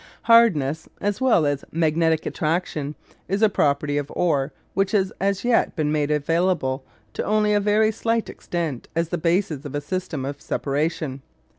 Hardness as well as magnetic attraction is a property of ore which has as yet been made available to only a very slight extent as the basis of a system of separation.